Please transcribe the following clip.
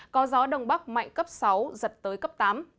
có gió đông bắc mạnh cấp sáu giật tới cấp tám